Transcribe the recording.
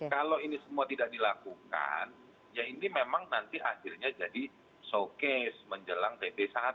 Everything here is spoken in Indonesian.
kalau ini semua tidak dilakukan ya ini memang nanti akhirnya jadi showcase menjelang pp satu